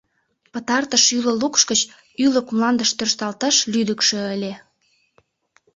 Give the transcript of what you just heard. Пытартыш ӱлыл укш гыч ӱлык мландыш тӧршталташ лӱдыкшӧ ыле.